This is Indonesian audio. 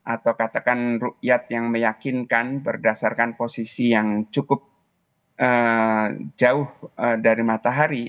atau katakan rukyat yang meyakinkan berdasarkan posisi yang cukup jauh dari matahari